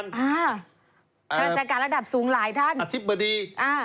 ราชการระดับสูงหลายท่านอธิบดี